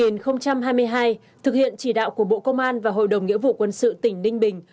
năm hai nghìn hai mươi hai thực hiện chỉ đạo của bộ công an và hội đồng nghĩa vụ quân sự tỉnh ninh bình